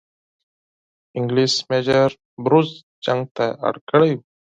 انګلیس میجر بروز جنگ ته اړ کړی وو.